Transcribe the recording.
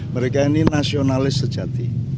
mereka ini nasionalis sejati